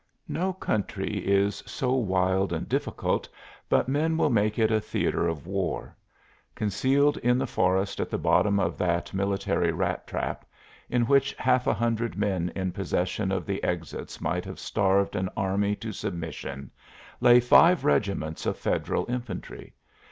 No country is so wild and difficult but men will make it a theatre of war; concealed in the forest at the bottom of that military rat trap, in which half a hundred men in possession of the exits might have starved an army to submission, lay five regiments of Federal infantry.